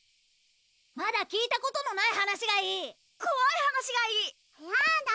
まだ聞いたことのない話がいいこわい話がいい！